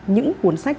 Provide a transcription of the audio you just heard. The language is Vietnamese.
những cuốn sách